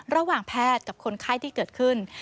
ระหว่างแพทย์กับคนไข้ที่เกิดขึ้น